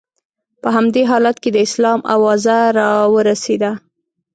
په همدې حالت کې د اسلام اوازه را ورسېده.